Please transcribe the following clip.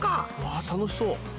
わ楽しそう。